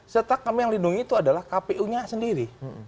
serta kami yang lindungi itu adalah kpu nya sendiri